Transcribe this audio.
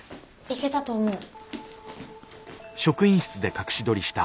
いけたと思う。